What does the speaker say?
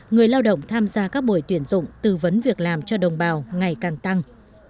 người lao động tham gia các buổi tuyển dụng tư vấn việc làm cho đồng bào ngày càng tăng